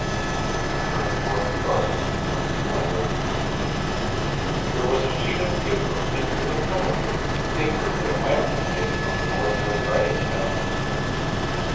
He turned toward the berth to pick up his light overcoat. There was a sheet of paper pinned to the pillow, paper that might have been taken from an ordinary writing tablet.